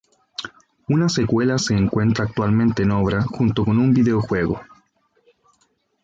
Una secuela se encuentra actualmente en obra, junto con un videojuego.